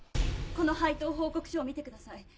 この配当報告書を見てください。